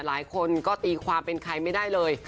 หลายคนก็ตีความเป็นใครไม่ได้เลย